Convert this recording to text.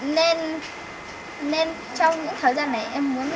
nên trong những thời gian này em muốn chơi